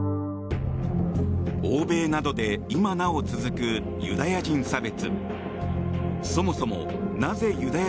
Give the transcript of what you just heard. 欧米などで今なお続くユダヤ人差別。